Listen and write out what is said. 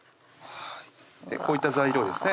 こういった材料ですね